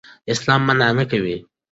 اسلام منع نه کوي.